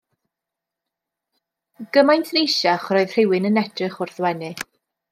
Gymaint neisach yr oedd rhywun yn edrych wrth wenu.